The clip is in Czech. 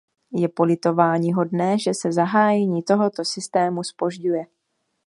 Je politováníhodné, že se zahájení tohoto systému zpožďuje.